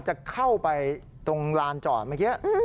จะเข้าไปตรงลานจอดเมื่อกี้